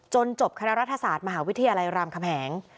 จบคณะรัฐศาสตร์มหาวิทยาลัยรามคำแหง